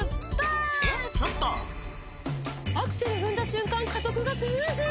アクセル踏んだ瞬間加速がスムーズ！